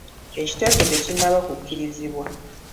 Ekiteeso tekinnaba kukkirizibwa.